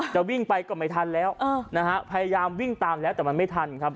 จะวิ่งไปก็ไม่ทันแล้วนะฮะพยายามวิ่งตามแล้วแต่มันไม่ทันครับ